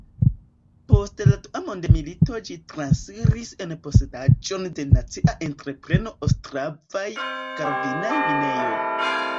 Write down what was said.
Post la dua mondmilito ĝi transiris en posedaĵon de nacia entrepreno Ostravaj-karvinaj minejoj.